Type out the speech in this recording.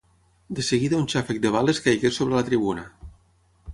De seguida un xàfec de bales caigué sobre la tribuna.